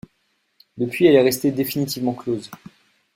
Depuis, elle est restée définitivement close.